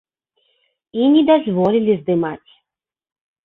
І не дазволілі здымаць.